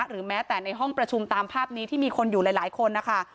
หรือแม้แต่ในห้องประชุมตามภาพนี้ที่มีคนอยู่หลายคนนะคะ